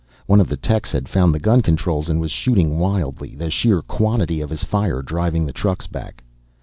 One of the techs had found the gun controls and was shooting wildly, the sheer quantity of his fire driving the trucks back.